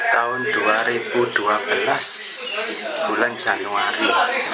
tahun dua ribu dua belas bulan januari